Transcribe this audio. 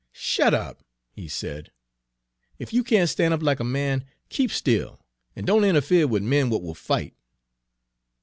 "Shet up," he said; "ef you can't stan' up like a man, keep still, and don't interfere wid men w'at will fight!"